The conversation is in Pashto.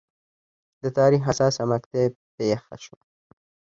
د تاریخ حساسه مقطعه پېښه شوه.